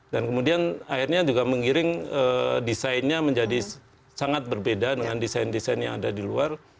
dan kemudian akhirnya juga mengiring desainnya menjadi sangat berbeda dengan desain desain yang ada di luar